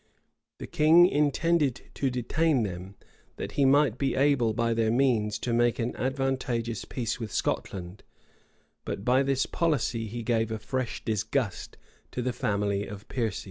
The king intended to detain them, that he might be able by their means to make an advantageous peace with Scotland; but by this policy he gave a fresh disgust to the family of Piercy.